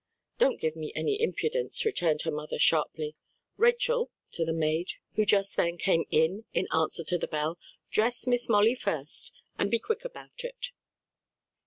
"Don't give me any impudence," returned her mother sharply. "Rachel," to the maid who just then came in in answer to the bell, "dress Miss Molly first, and be quick about it."